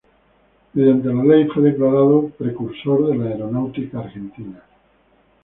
Mediante la Ley fue declarado como Precursor de la Aeronáutica Argentina.